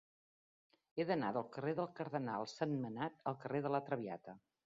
He d'anar del carrer del Cardenal Sentmenat al carrer de La Traviata.